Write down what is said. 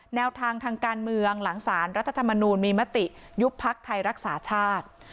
แนวทางทางการเมืองหลังสารรัฐธรรมนูลมีมติยุบพักไทยรักษาชาติ